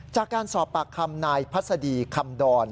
จากการสอบปากคำนายพัศดีคำดอน